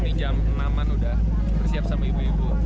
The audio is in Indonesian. ini jam enam an udah bersiap sama ibu ibu